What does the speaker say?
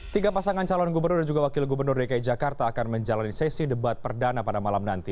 tiga pasangan calon gubernur dan juga wakil gubernur dki jakarta akan menjalani sesi debat perdana pada malam nanti